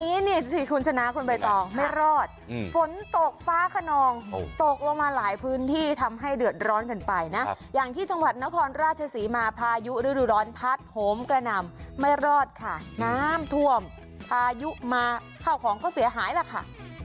นี้นี่สิคุณชนะคุณใบตองไม่รอดฝนตกฟ้าขนองตกลงมาหลายพื้นที่ทำให้เดือดร้อนกันไปนะอย่างที่จังหวัดนครราชศรีมาพายุฤดูร้อนพัดโหมกระหน่ำไม่รอดค่ะน้ำท่วมพายุมาข้าวของก็เสียหายล่ะค่ะ